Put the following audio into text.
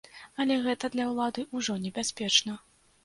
Але гэта для ўлады ўжо небяспечна.